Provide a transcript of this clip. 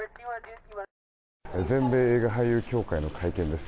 全米映画俳優協会の会見です。